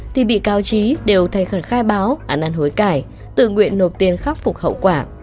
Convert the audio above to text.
thì bị cáo trí đều thay khẩn khai báo ăn ăn hối cải tự nguyện nộp tiền khắc phục hậu quả